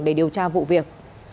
để điều tra vụ việc